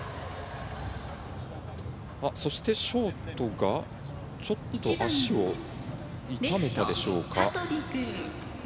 そして、ショートがちょっと足を痛めたでしょうか。